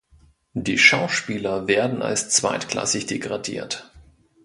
Die Schauspieler werden als zweitklassig degradiert.